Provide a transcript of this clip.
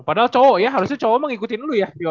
padahal cowo ya harusnya cowo emang ngikutin lo ya yo